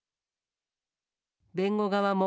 弁護側も。